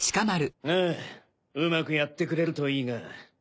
あぁうまくやってくれるといいが。